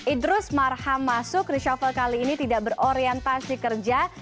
idrus marham masuk reshuffle kali ini tidak berorientasi kerja